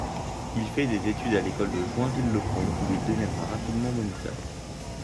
Il fait des études à l'école de Joinville-le-Pont, où il deviendra rapidement moniteur.